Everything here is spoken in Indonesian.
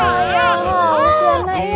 ih diam sama ibunya